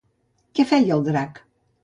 Qui feia de drac?